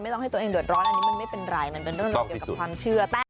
ต้องให้ตัวเองเดือดร้อนอันนี้มันไม่เป็นไรมันเป็นเรื่องราวเกี่ยวกับความเชื่อ